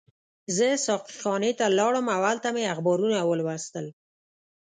زه ساقي خانې ته لاړم او هلته مې اخبارونه ولوستل.